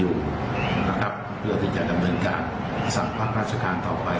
อยู่นะครับเพื่อที่จะดำเนินการสั่งพักราชการต่อไป